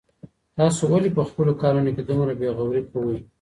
تاسو ولي په خپلو کارونو کي دومره بې غوري کوئ؟